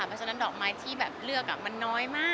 เพราะฉะนั้นดอกไม้ที่แบบเลือกมันน้อยมาก